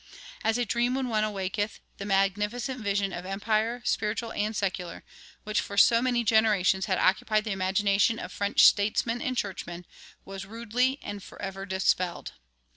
"As a dream when one awaketh," the magnificent vision of empire, spiritual and secular, which for so many generations had occupied the imagination of French statesmen and churchmen, was rudely and forever dispelled.